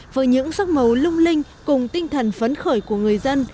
với những sắc màu lung linh cùng tinh thần phấn khởi của người dân